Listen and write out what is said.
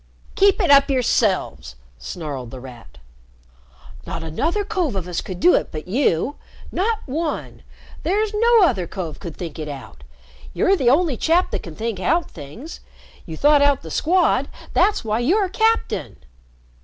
"Keep it up yourselves!" snarled The Rat. "Not another cove of us could do it but you! Not one! There's no other cove could think it out. You're the only chap that can think out things. You thought out the Squad! That's why you're captain!"